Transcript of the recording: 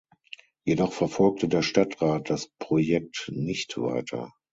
Jedoch verfolgte der Stadtrat das Projekt nicht weiter.